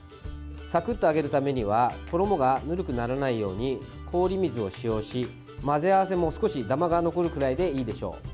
サクッと揚げるためには衣がぬるくならないように氷水を使用し、混ぜ合わせも少しダマが残るくらいでいいでしょう。